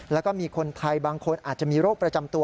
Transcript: แล้วก็มีคนไทยบางคนอาจจะมีโรคประจำตัว